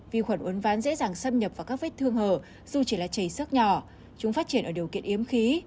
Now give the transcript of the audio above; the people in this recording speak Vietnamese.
vi khuẩn uốn ván dễ dàng xâm nhập vào các vết thương hở dù chỉ là chảy xước nhỏ chúng phát triển ở điều kiện yếm khí